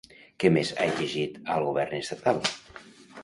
Què més ha exigit al Govern estatal?